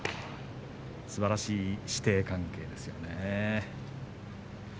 すばらしい師弟関係ですよね。